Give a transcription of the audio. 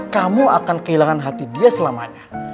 kamu akan kehilangan hati dia selamanya